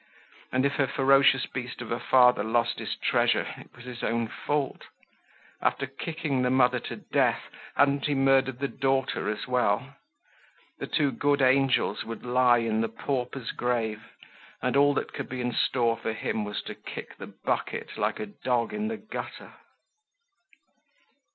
And if her ferocious beast of a father lost his treasure, it was his own fault. After kicking the mother to death, hadn't he murdered the daughter as well? The two good angels would lie in the pauper's grave and all that could be in store for him was to kick the bucket like a dog in the gutter.